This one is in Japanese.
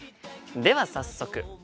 では早速。